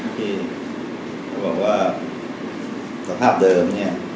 ที่เขาบอกว่าสภาพเดิมเนี่ย